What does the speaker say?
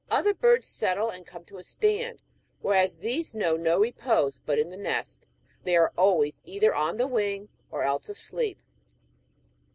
Other birds settle and come to a stand, whereas these know no repose but in the nest ; they arc always either on the wing or else asleep.